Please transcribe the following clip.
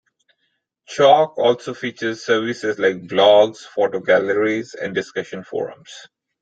Chowk also features services like blogs, photo galleries and discussion forums.